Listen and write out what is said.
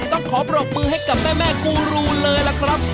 ต้องขอปรบมือให้กับแม่กูรูเลยล่ะครับ